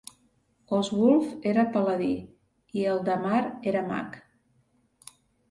Oswulf era paladí i Eldamar era mag.